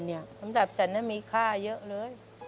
สำหรับฉันมีค่าเยอะเลย